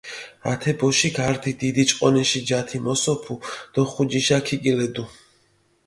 ათე ბოშიქ ართი დიდი ჭყონიში ჯათი მოსოფუ დო ხუჯიშა ქიკილედუ.